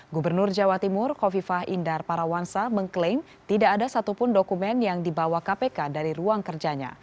gubernur jawa timur kofifah indar parawansa mengklaim tidak ada satupun dokumen yang dibawa kpk dari ruang kerjanya